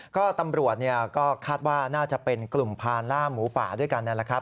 ก็ตำรวจก็คาดว่าน่าจะเป็นกลุ่มพานล่าหมูป่าด้วยกันนั่นแหละครับ